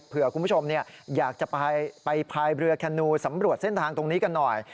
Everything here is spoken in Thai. คุณผู้ชมอยากจะไปพายเรือแคนูสำรวจเส้นทางตรงนี้กันหน่อย